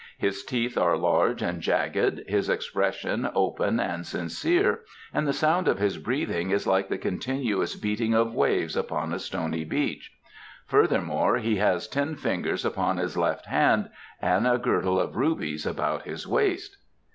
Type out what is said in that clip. "His teeth are large and jagged, his expression open and sincere, and the sound of his breathing is like the continuous beating of waves upon a stony beach. Furthermore, he has ten fingers upon his left hand and a girdle of rubies about his waist."